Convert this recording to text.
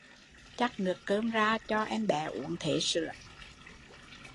Chắc nước cơm ra cho em bé uống thế sữa